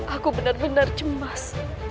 aku benar benar cemas